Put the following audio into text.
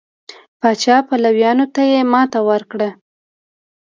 پاچا پلویانو ته یې ماتې ورکړه.